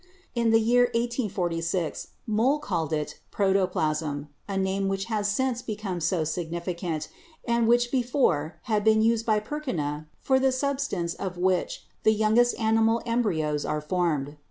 In the year 1846 Mohl called it Protoplasm, a name which has since become so significant, and which before had been used by Purkinje for the sub stance of which the youngest animal embryos are formed.